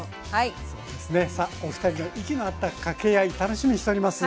さあお二人の息の合った掛け合い楽しみにしております。